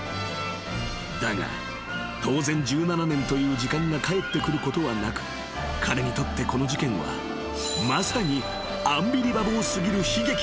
［だが当然１７年という時間が返ってくることはなく彼にとってこの事件はまさに］